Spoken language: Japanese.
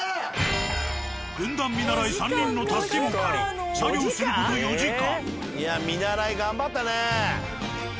軍団見習い３人の助けを借り作業する事４時間。